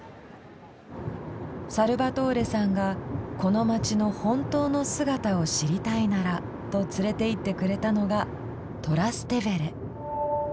サルバトーレさんが「この街の本当の姿を知りたいなら」と連れて行ってくれたのがトラステヴェレ。